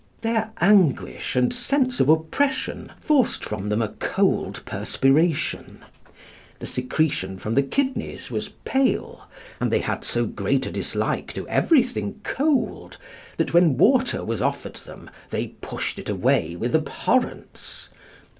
Their anguish and sense of oppression forced from them a cold perspiration; the secretion from the kidneys was pale, and they had so great a dislike to everything cold, that when water was offered them they pushed it away with abhorrence.